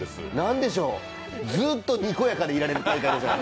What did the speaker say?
ずっとにこやかでいられる大会です。